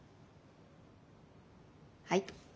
はい。